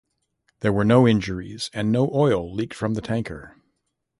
There were no injuries, and no oil leaked from the tanker.